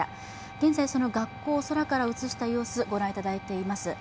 現在、その学校を空から映した様子をご覧いただいています。